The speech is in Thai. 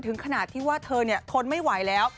ถึงขนาดที่ว่าเธอทนไม่ไหวแล้ว